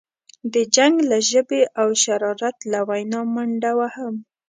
د جنګ له ژبې او شرارت له وینا منډه وهم.